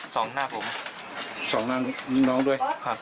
ส่องหน้าน้องด้วย